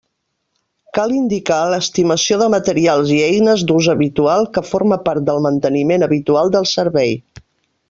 Cal indicar l'estimació de materials i eines d'ús habitual que forma part del manteniment habitual del servei.